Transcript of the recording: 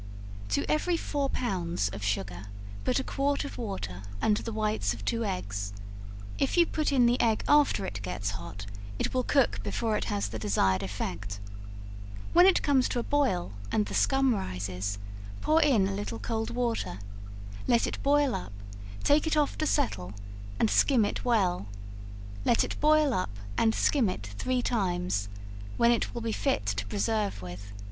To every four pounds of sugar put a quart of water and the whites of two eggs; if you put in the egg after it gets hot, it will cook before it has the desired effect; when it comes to a boil, and the scum rises, pour in a little cold water; let it boil up; take it off to settle, and skim it well; let it boil up, and skim it three times, when it will be fit to preserve with.